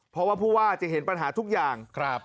เพราะว่าผู้ว่าจะเห็นปัญหาทุกอย่าง